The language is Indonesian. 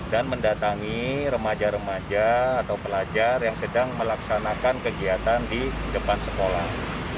dan mendatangi remaja remaja atau pelajar yang sedang melaksanakan kegiatan di depan sekolah